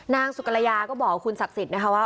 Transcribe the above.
นางสุกรยาก็บอกกับคุณศักดิ์สิทธิ์นะคะว่า